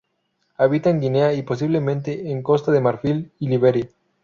Habita en Guinea y, posiblemente, en Costa de Marfil y Liberia.